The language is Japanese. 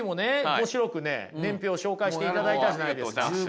面白くね年表を紹介していただいたじゃないですか。